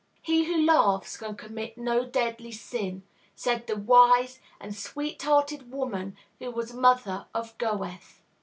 "He who laughs can commit no deadly sin," said the wise and sweet hearted woman who was mother of Goethe.